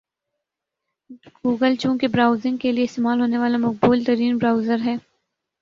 Google چونکہ browsing کے لئے استعمال ہونے والا مقبول ترین برؤزر ہے